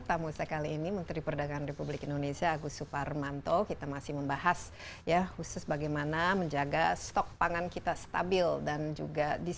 akan segera kembali